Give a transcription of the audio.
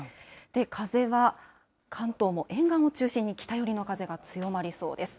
風は関東も沿岸を中心に北寄りの風が強まりそうです。